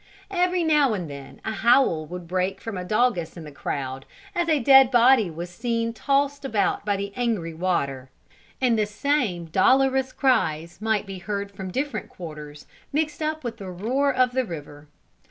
Every now and then, a howl would break from a doggess in the crowd, as a dead body was seen tossed about by the angry water; and the same dolorous cries might be heard from different quarters, mixed up with the roar of the river.